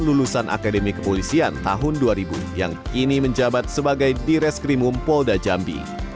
lulusan akademi kepolisian tahun dua ribu yang kini menjabat sebagai di reskrimum polda jambi